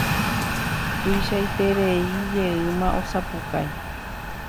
Tuichaitereijeýma osapukái.